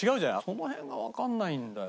その辺がわかんないんだよね。